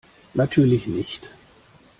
Natürlich nicht.